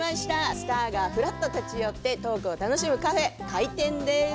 スターがふらっと立ち寄ってトークを楽しむカフェ、開店です。